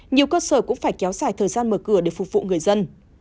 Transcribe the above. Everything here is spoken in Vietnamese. nhiều cơ sở cũng phải kéo dài thời gian mở cửa để phục vụ người dân